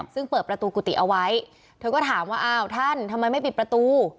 ซึ่งเปิดประตูกุฏิเอาไว้เธอก็ถามว่าอ้าวท่านทำไมไม่ปิดประตู